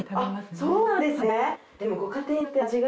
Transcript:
そうなんですね。